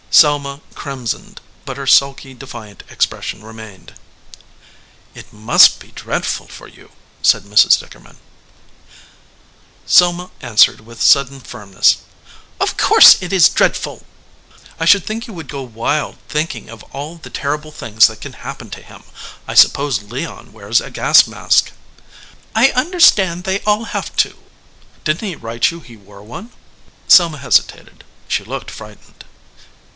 Selma crimsoned, but her sulky, defiant expres sion remained. "It must be dreadful for you," said Mrs. Dicker man. Selma answered, with sudden firmness, "Of course it is dreadful." "I should think you would go wild thinking of all the terrible things that can happen to him. I suppose Leon wears a gas mask." "I understand they all have to." "Didn t he write you he wore one ?" Selma hesitated. She looked frightened.